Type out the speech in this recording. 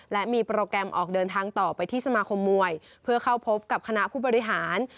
และมีโปรแกรมออกเดินทางต่อไปที่สมาคมมวยเพื่อเข้าพบกับคณะผู้บริหาร